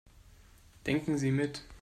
Denken Sie mit.